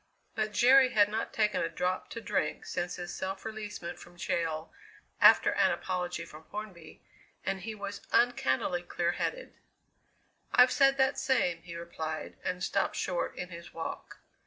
But Jerry had not taken a drop to drink since his self releasement from jail (after an apology from Hornby), and he was uncannily clear headed. "I've said that same!" he replied, and stopped short in his walk.